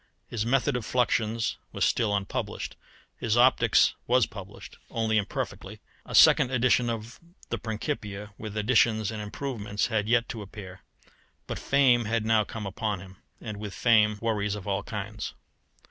His method of fluxions was still unpublished; his optics was published only imperfectly; a second edition of the Principia, with additions and improvements, had yet to appear; but fame had now come upon him, and with fame worries of all kinds.